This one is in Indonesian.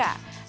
yang dari kpk